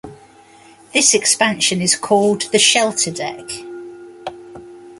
This expansion is called the shelter deck.